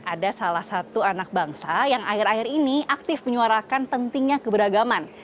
ada salah satu anak bangsa yang akhir akhir ini aktif menyuarakan pentingnya keberagaman